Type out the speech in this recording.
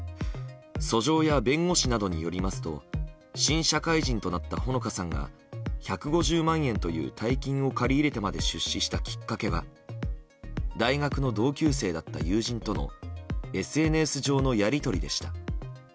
訴状や弁護士などによりますと新社会人となった穂野香さんが１５０万円という大金を借り入れてまで出資したきっかけは大学の同級生だった友人とのＳＮＳ上でのやり取りでした。